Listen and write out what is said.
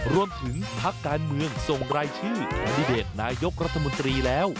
รวมถึงภาคการเมืองส่งรายชื่อราธิเดตนายกรัฐมนตรีแล้ว